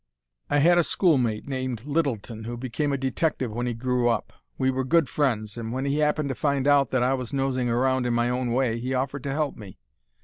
"I had a schoolmate named Littleton who became a detective when he grew up. We were good friends, and when he happened to find out that I was nosing around in my own way he offered to help me.